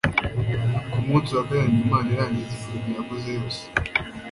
Ku munsi wa karindwi Imana irangiza imirimo yakoze yose